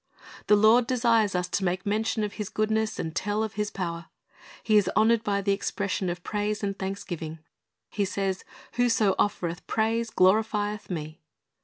The Lord desires us to make mention of His goodness and tell of His power. He is honored by the expression of praise and thanksgiving. He says, "Whoso offereth praise glorifieth Me."